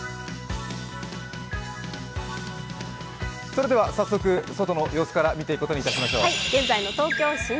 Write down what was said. それでは、早速外の様子から見ていくことにいたしましょう。